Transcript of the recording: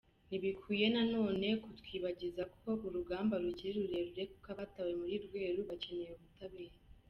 Ntibikwiye na none kutwibagiza ko urugamba rukiri rurerure kuko abatawe muri Rweru bakeneye ubutabera.